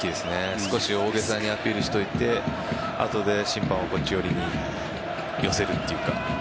少し大げさにアピールしておいて後で審判をこっち寄りに寄せるというか。